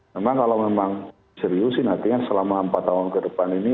namun kalau memang serius sih nantinya selama empat tahun ke depan ini